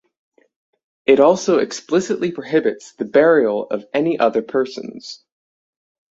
It also explicitly prohibits the burial of any other persons.